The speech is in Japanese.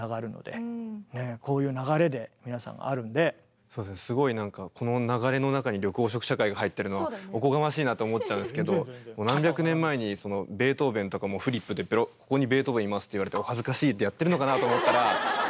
いやいやでもすごいなんかこの流れの中に緑黄色社会が入ってるのはおこがましいなと思っちゃうんですけど何百年前にベートーベンとかもフリップでベロッ「ここにベートーベンいます」って言われて「お恥ずかしい」ってやってるのかなと思ったら。